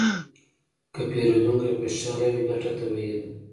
که پیرودونکی خوشحاله وي، ګټه طبیعي ده.